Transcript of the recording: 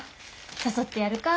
誘ってやるか。